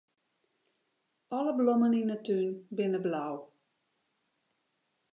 Alle blommen yn 'e tún binne blau.